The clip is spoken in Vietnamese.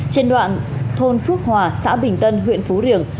trên đoạn thôn phước hòa xã bình tân huyện phú riềng